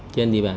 trên địa bàn